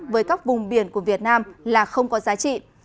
với các vùng biển của việt nam là không có giá trị